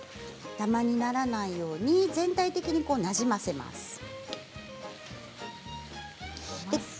だまにならないように全体的になじませます。